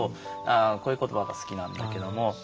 こういう言葉が好きなんだけども。